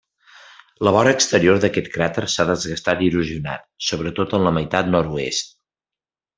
La vora exterior d'aquest cràter s'ha desgastat i erosionat, sobretot en la meitat nord-oest.